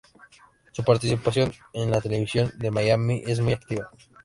Su participación en la televisión de Miami es muy activa.